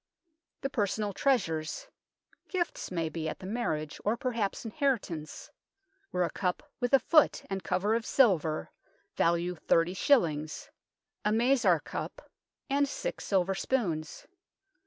The personal treasures gifts, may be, at the marriage, or perhaps inheritances were a cup, with a foot and cover of silver, value thirty shillings, a mazar cup, and six silver spoons.